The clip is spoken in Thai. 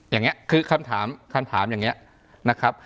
อย่างเงี้ยคือคำถามอย่างเงี้ย